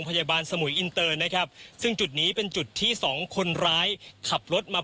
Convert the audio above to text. พยาบาลสมุยอินเตอร์นะครับซึ่งจุดนี้เป็นจุดที่สองคนร้ายขับรถมา